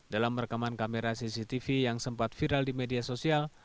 dalam rekaman kamera cctv yang sempat viral di media sosial